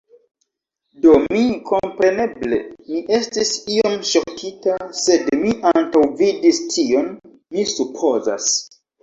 Do mi, kompreneble, mi estis iom ŝokita, sed mi antaŭvidis tion, mi supozas.